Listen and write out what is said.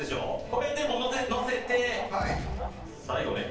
これでもうのせて最後ね。